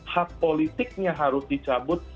hak politiknya harus dicabut